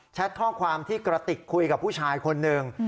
ข้อความที่กระติกคุยกับผู้ชายคนหนึ่ง